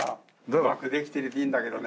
うまくできてるといいんだけどね。